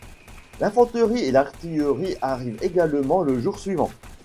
L'infanterie et l’artillerie arrivent également le jour suivant.